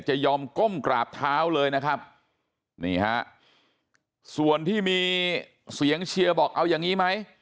จะยอมก้มกราบเท้าเลยนะครับนี่ฮะส่วนที่มีเสียงเชียร์บอกเอาอย่างนี้ไหม